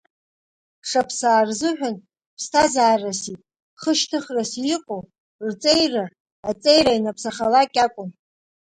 Шаԥсаа рзыҳәан ԥсҭазаараси хышьҭыхраси иҟоу рҵеира, аҵеира ианаԥсахалакь акәын.